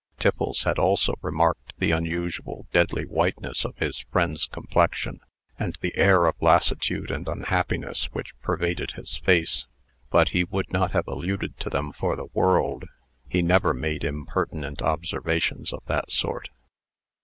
Tiffles had also remarked the unusual deadly whiteness of his friend's complexion, and the air of lassitude and unhappiness which pervaded his face, but he would not have alluded to them for the world. He never made impertinent observations of that sort.